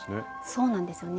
そうなんですよね。